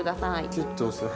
キュッと押す。